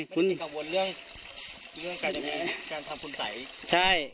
กับวนเรื่องเนี่ยการทำคุณสัย